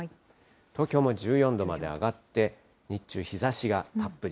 東京も１４度まで上がって、日中、日ざしがたっぷり。